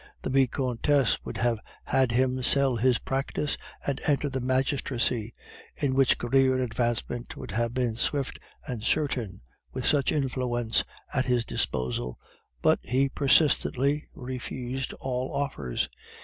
The Vicomtesse would have had him sell his practice and enter the magistracy, in which career advancement would have been swift and certain with such influence at his disposal; but he persistently refused all offers.